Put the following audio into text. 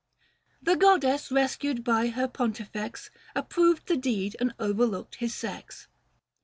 The goddess rescued by her Pontifex Approved the deed and overlooked his sex.